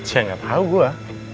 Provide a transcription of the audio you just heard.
ya gak tau gue